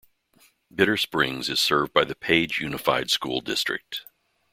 Bitter Springs is served by the Page Unified School District.